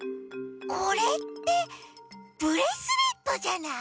これってブレスレットじゃない？